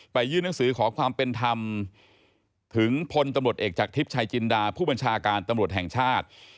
ยื่นหนังสือขอความเป็นธรรมถึงพลตำรวจเอกจากทิพย์ชายจินดาผู้บัญชาการตำรวจแห่งชาติ